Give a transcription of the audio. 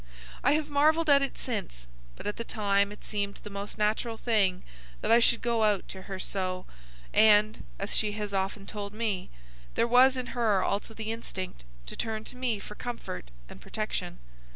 I have marvelled at it since, but at the time it seemed the most natural thing that I should go out to her so, and, as she has often told me, there was in her also the instinct to turn to me for comfort and protection.